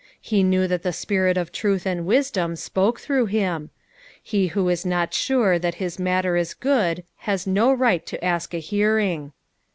He knew that the Spirit of truth and wisdom spoke through bim. He who ia not sure that his matter is good has do riffht to uk a heariDK.